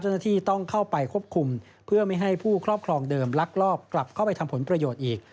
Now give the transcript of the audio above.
เจ้าหน้าที่ต้องเข้าไปควบคุมเพื่อไม่ให้ผู้ครอบครองเดิมลักลอบกลับเข้าไปทำผลประโยชน์อีก